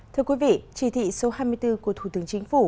thưa quý vị chỉ thị số hai mươi bốn của thủ tướng chính phủ